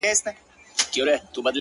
نه پر مسجد ږغېږم نه پر درمسال ږغېږم;